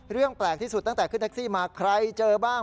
แปลกที่สุดตั้งแต่ขึ้นแท็กซี่มาใครเจอบ้าง